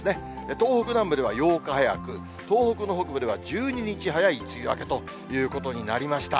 東北南部では８日早く、東北の北部では１２日早い梅雨明けということになりました。